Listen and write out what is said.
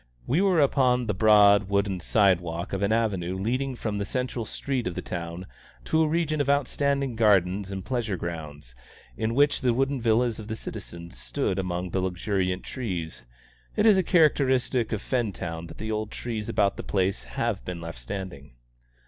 We were upon the broad wooden side walk of an avenue leading from the central street of the town to a region of outstanding gardens and pleasure grounds, in which the wooden villas of the citizens stood among luxuriant trees. It is a characteristic of Fentown that the old trees about the place have been left standing.